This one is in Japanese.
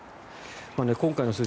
今回の数字